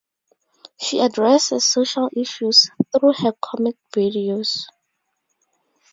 She addresses social issues through her comic videos.